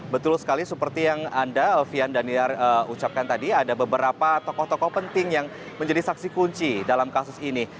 betul sekali seperti yang anda alfian daniar ucapkan tadi ada beberapa tokoh tokoh penting yang menjadi saksi kunci dalam kasus ini